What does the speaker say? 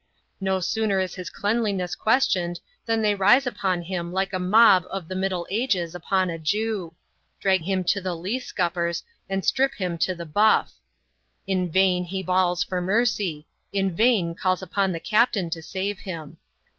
No sooner is his cleanliness ques tioned, then they rise upon him like a mob of the Middle Ages upon a Jew ; drag him into the lee scuppers, and strip him to the hxxS, In vain he bawls for mercy ; in vain calls upon the captain to save him.